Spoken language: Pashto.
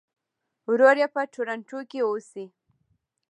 ورور یې په ټورنټو کې اوسي.